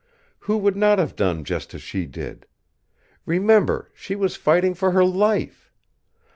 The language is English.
Who would not have done just as she did? Remember she was fighting for her life!